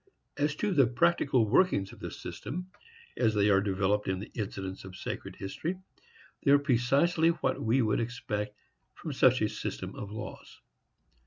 As to the practical workings of this system, as they are developed in the incidents of sacred history, they are precisely what we should expect from such a system of laws.